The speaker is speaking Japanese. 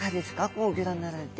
こうギョ覧になられて。